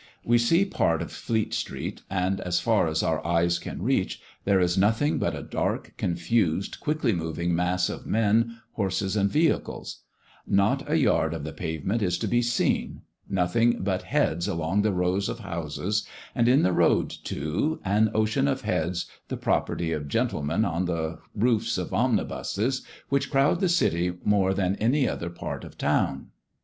We see part of Fleet street, and as far as our eyes can reach, there is nothing but a dark, confused, quickly moving mass of men, horses, and vehicles; not a yard of the pavement is to be seen nothing but heads along the rows of houses, and in the road, too, an ocean of heads, the property of gentlemen on the roofs of omnibuses, which crowd the City more than any other part of the town.